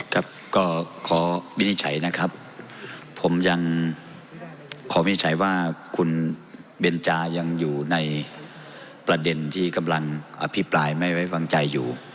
ครับก็ขอวินิจฉัยนะครับผมยังขอวินิจฉัยว่าคุณเบนจายังอยู่ในประเด็นที่กำลังอภิปรายไม่ไว้วางใจอยู่